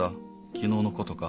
昨日のことか？